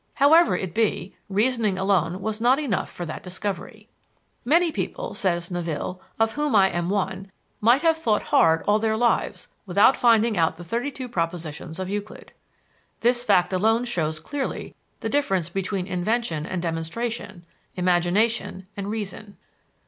However it be, reasoning alone was not enough for that discovery. "Many people," says Naville, "of whom I am one, might have thought hard all their lives without finding out the thirty two propositions of Euclid." This fact alone shows clearly the difference between invention and demonstration, imagination and reason.